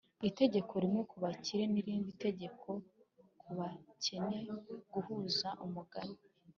itegeko rimwe kubakire n'irindi tegeko kubakene guhuza umugani